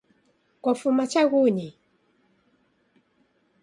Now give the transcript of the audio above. Kwafuma chaghunyi?